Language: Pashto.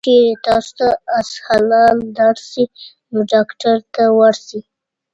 که چېرې تاسو ته اسهال درشي، نو ډاکټر ته ورشئ.